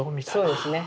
そうですね。